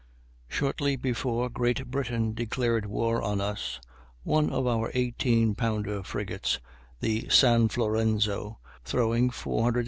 Shortly before Great Britain declared war on us, one of her 18 pounder frigates, the San Florenzo, throwing 476 lbs.